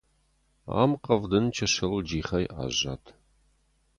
Ам Хъӕвдын чысыл джихӕй аззад.